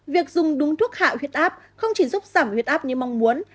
việc dùng đúng thuốc hạ huyết áp không chỉ giúp giảm huyết áp như mong muốn